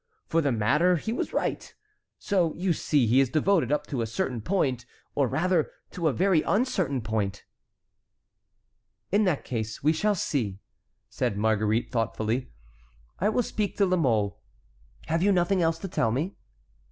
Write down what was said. For that matter he was right. So you see he is devoted up to a certain point, or rather to a very uncertain point." "In that case we shall see," said Marguerite thoughtfully; "I will speak to La Mole. Have you nothing else to tell me?"